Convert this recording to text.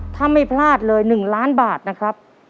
ถ้าไม่พลาดเลย๑ล้านบาทนะครับ